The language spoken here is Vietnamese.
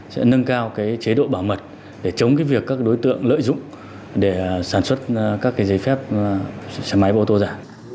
sẽ nâng cao cái chế độ bảo mật để chống cái việc các đối tượng lợi dụng để sản xuất các cái giấy phép máy và ô tô giả